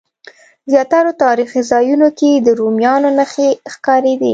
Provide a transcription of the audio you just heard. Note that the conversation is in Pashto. زیاترو تاریخي ځایونو کې د رومیانو نښې ښکارېدې.